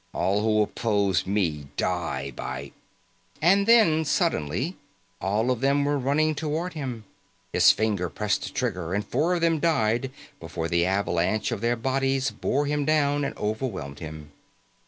All who oppose me, die by " And then, suddenly all of them were running toward him. His finger pressed the trigger and four of them died before the avalanche of their bodies bore him down and overwhelmed him.